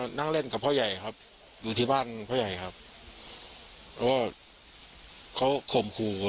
พวกนางเล่นกับพ่อใหญ่ครับอยู่ที่บ้านพ่อใหญ่เค้าโขมหู